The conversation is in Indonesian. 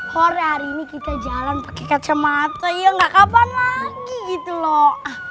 hore hari ini kita jalan pakai kacamata ya gak kapan lagi gitu loh